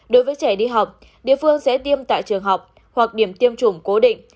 đối với trẻ đi học địa phương sẽ tiêm tại trường học hoặc điểm tiêm chủng cố định